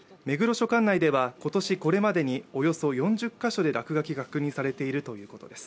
署管内では今年これまでにおよそ４０か所で落書きが確認されているということです。